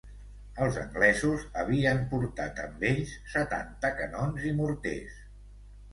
Els anglesos havien portat amb ells setanta canons i morters.